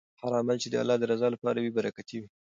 هر عمل چې د الله د رضا لپاره وي برکتي وي.